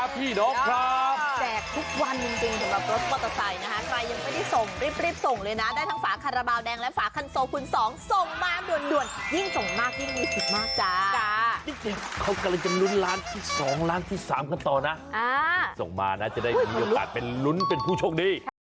โปรดติดตามตอนต่อไป